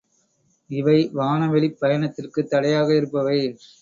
இவை வானவெளிப் பயணத்திற்குத் தடையாக இருப்பவை.